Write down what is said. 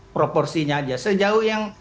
proporsinya aja sejauh yang